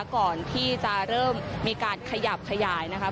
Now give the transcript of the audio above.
ก่อนที่จะเริ่มมีการขยับขยายนะคะ